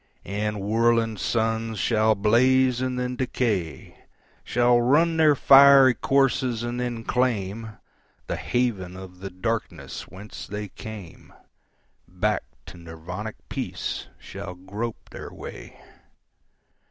And whirling suns shall blaze and then decay, Shall run their fiery courses and then claimThe haven of the darkness whence they came; Back to Nirvanic peace shall grope their way.